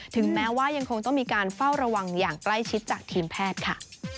ถึงแม้ว่ายังคงต้องมีการเฝ้าระวังอย่างใกล้ชิดจากทีมแพทย์ค่ะ